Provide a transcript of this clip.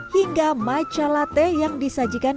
hingga matcha latte yang disajikan